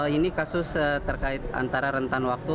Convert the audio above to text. ini kasus terkait antara rentan waktu